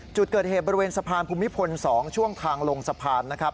จุดเกิดเหตุบริเวณสะพานภูมิพล๒ช่วงทางลงสะพานนะครับ